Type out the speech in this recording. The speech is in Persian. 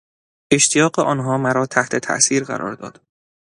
اشتیاق آنها مرا تحت تاثیر قرار داد.